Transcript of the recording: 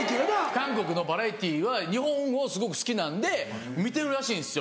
韓国のバラエティーは日本をすごく好きなんで見てるらしいんですよ